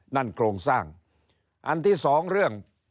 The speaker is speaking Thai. นั่นโครงสร้าง